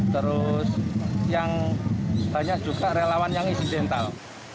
terus yang tanya juga relawan yang isi dental